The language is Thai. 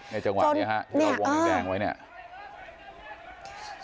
ในจังหวะนี้ครับที่เราลงแดงไว้นี่